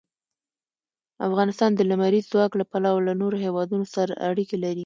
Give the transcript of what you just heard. افغانستان د لمریز ځواک له پلوه له نورو هېوادونو سره اړیکې لري.